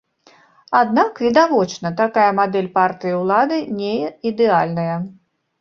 Аднак, відавочна, такая мадэль партыі ўлады не ідэальная.